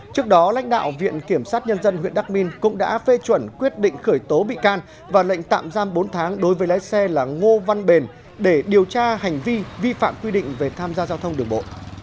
trước đó lãnh đạo viện kiểm sát nhân dân huyện đắc minh cũng đã phê chuẩn quyết định khởi tố bị can và lệnh tạm giam bốn tháng đối với lái xe là ngô văn bền để điều tra hành vi vi phạm quy định về tham gia giao thông đường bộ